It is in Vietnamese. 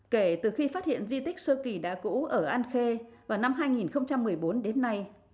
kể từ khi phát hiện di tích sơ kỳ đá cũ ở an khê vào năm hai nghìn một mươi bốn đến nay